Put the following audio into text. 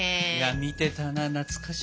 見てたな懐かしい。